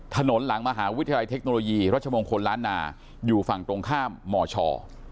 หลังมหาวิทยาลัยเทคโนโลยีรัชมงคลล้านนาอยู่ฝั่งตรงข้ามมช